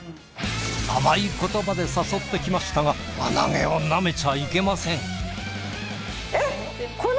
甘い言葉で誘ってきましたが輪投げをなめちゃいけません。